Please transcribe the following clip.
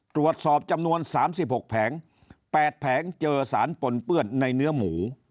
ตรวจสอบจำนวน๓๖แผง๘แผงเจอสารปนเปื้อนในเนื้อหมู